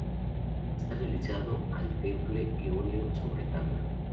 Está realizado al temple y óleo sobre tabla.